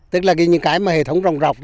tức là những cái mà hệ thống rồng rọc